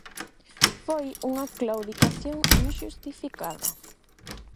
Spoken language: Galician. Foi unha claudicación inxustificada.